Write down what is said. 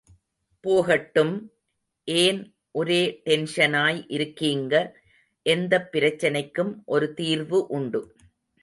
போகட்டும்... ஏன் ஒரே டென்ஷனாய் இருக்கீங்க... எந்தப் பிரச்னைக்கும் ஒரு தீர்வு உண்டு.